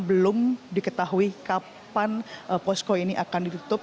belum diketahui kapan posko ini akan ditutup